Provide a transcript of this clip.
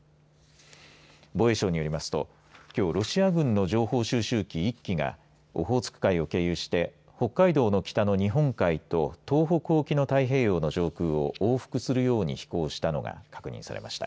防衛省によりますときょうロシア軍の情報収集機１機がオホーツク海を経由して北海道の北の日本海と東北沖の太平洋の上空を往復するように飛行したのが確認されました。